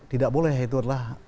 tidak boleh itu adalah